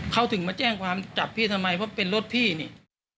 เขาถึงมาแจ้งความจับพี่ทำไมเพราะเป็นรถพี่นี่